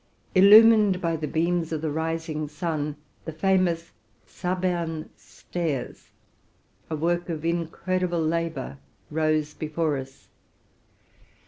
— Tlu mined by the beams of the rising sun, the famous Zabern stairs, a work of incredible labor, rose before us.